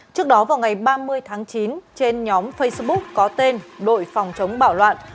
trước đó vào ngày ba mươi tháng chín trên nhóm facebook có tên đội phòng chống bạo loạn